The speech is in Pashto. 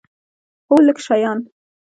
هو، لږ شیان